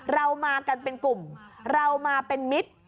เรามากันเป็นกลุ่มเรามาเป็นมิตร